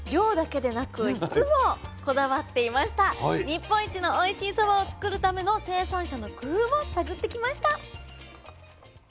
日本一のおいしいそばをつくるための生産者の工夫を探ってきました。